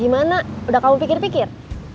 gimana udah kamu pikir pikir